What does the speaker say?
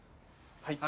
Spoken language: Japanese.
はい。